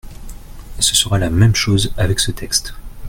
Ce sera la même chose avec ce texte.